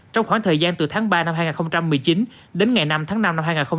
trong khoảng thời gian từ tháng ba năm hai nghìn một mươi chín đến ngày năm tháng năm năm hai nghìn hai mươi